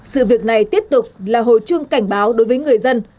sự việc này tiếp tục là hồi chuông cảnh báo đối với người dân